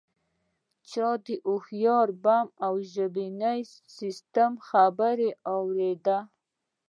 چا د هوښیار بم او ژبني سیستم خبره اوریدلې ده